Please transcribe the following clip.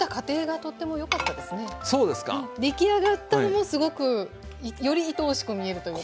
出来上がったのもすごくよりいとおしく見えるというか。